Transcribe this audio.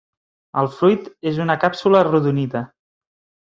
El fruit és una càpsula arrodonida.